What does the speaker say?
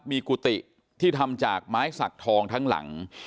มีกุฏิที่ทำจากไม้สักทองทั้งหลัง